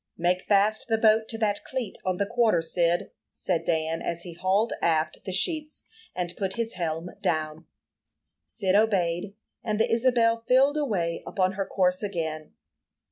"Make fast the boat to that cleat on the quarter, Cyd," said Dan, as he hauled aft the sheets, and put his helm down. Cyd obeyed, and the Isabel filled away upon her course again.